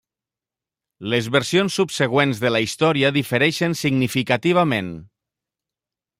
Les versions subsegüents de la història difereixen significativament.